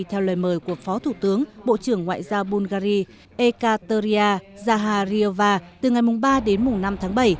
theo lời mời của phó thủ tướng bộ trưởng ngoại giao bungary ekateria zahariova từ ngày ba đến năm tháng bảy